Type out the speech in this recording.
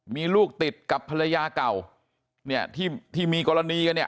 มีลูกติดกับภรรยาเก่าเนี่ยที่ที่มีกรณีกันเนี่ย